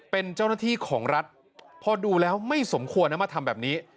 เป็นเจ้าหน้าที่ของรัฐพอดูแล้วไม่สมควรนะมาทำแบบนี้